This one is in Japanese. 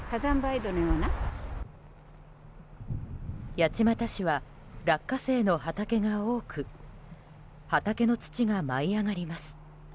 八街市は落花生の畑が多く畑の土が舞い上がります。